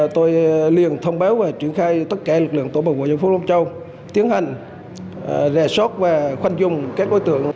tôi liền thông báo và triển khai tất cả lực lượng tổ bộ vụ dân phố long châu tiến hành rè sót và khoanh dùng các đối tượng